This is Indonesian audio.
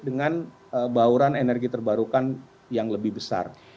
dengan bauran energi terbarukan yang lebih besar